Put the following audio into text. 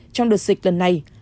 trong đợt dịch lần này